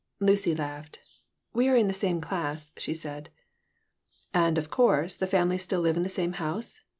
Lucy laughed. "We are in the same class," she said "And, of course, the families still live in the same house?"